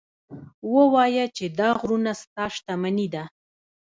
ووایه چې دا غرونه ستا شتمني ده.